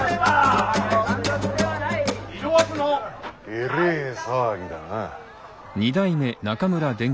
えれえ騒ぎだな。